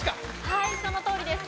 はいそのとおりです。